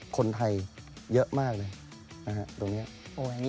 คนไทยเยอะมากเลย